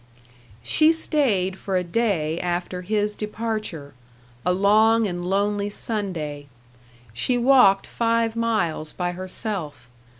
She stayed for a day after his departure, a long and lonely Sunday. She walked five miles by herself.